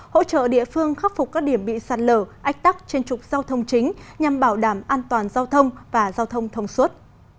hỗ trợ địa phương khắc phục các điểm bị sạt lở ách tắc trên trục giao thông chính nhằm bảo đảm an toàn giao thông và giao thông thông suốt